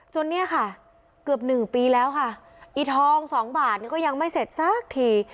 เนี่ยค่ะเกือบหนึ่งปีแล้วค่ะอีทองสองบาทเนี่ยก็ยังไม่เสร็จสักที